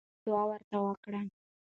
ملاینو دعا ورته وکړه.